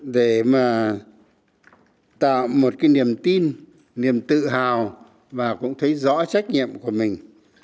để mà tạo một cái niềm tin niềm tự hào và cũng thấy rõ trách nhiệm của mình